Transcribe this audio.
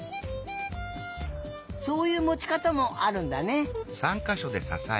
そういうもちかたもあるんだね。